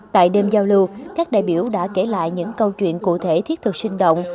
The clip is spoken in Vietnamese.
tại đêm giao lưu các đại biểu đã kể lại những câu chuyện cụ thể thiết thực sinh động